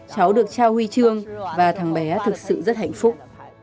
cháu được trao huy chương và thằng bé thực sự rất hạnh phúc